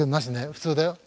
普通だよ。